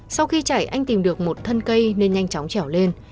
sau khi chạy anh tìm được một thân cây nên nhanh chóng trèo lên